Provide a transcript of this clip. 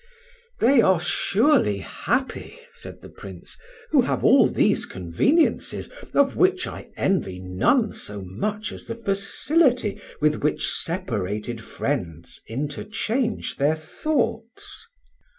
"They are surely happy," said the Prince, "who have all these conveniences, of which I envy none so much as the facility with which separated friends interchange their thoughts."